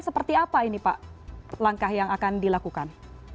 jadi apa ini pak langkah yang akan dilakukan